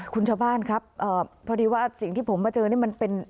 คุณชาวบ้านครับพอดีว่าสิ่งที่ผมมาเจอนี่มันเป็น